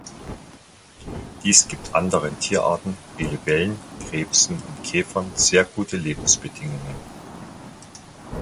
Dies gibt anderen Tierarten wie Libellen, Krebsen und Käfern sehr gute Lebensbedingungen.